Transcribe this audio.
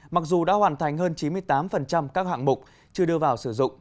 mặc dù đã hoàn thành hơn chín mươi tám các hạng mục chưa đưa vào sử dụng